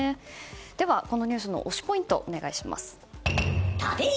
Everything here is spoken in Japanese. では、このニュースの推しポイントをお願いします。